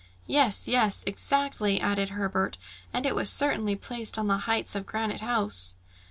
"Yes, yes! exactly," added Herbert, "and it was certainly placed on the heights of Granite House."